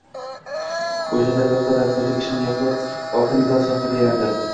O‘sha dargohda doktorlik ishini yoqlab, oltin medal sohibiga aylandi